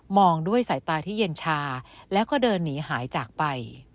องด้วยสายตาที่เย็นชาแล้วก็เดินหนีหายจากไป